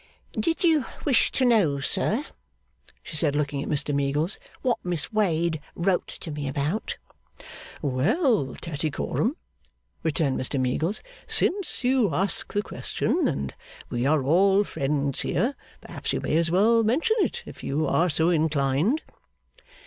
'Did you wish to know, sir,' she said, looking at Mr Meagles, 'what Miss Wade wrote to me about?' 'Well, Tattycoram,' returned Mr Meagles, 'since you ask the question, and we are all friends here, perhaps you may as well mention it, if you are so inclined.